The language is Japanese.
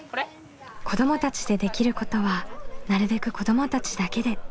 子どもたちでできることはなるべく子どもたちだけで。